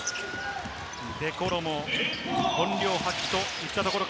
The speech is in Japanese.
デ・コロも本領発揮といったところか。